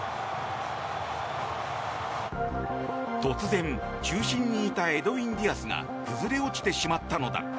突然、中心にいたエドウィン・ディアスが崩れ落ちてしまったのだ。